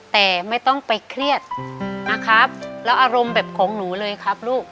แต่ไม่ต้องไปเครียดนะครับแล้วอารมณ์แบบของหนูเลยครับลูก